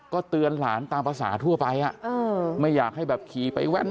ก็เตือนหลานตามภาษาทั่วไปไม่อยากให้แบบขี่ไปแว่น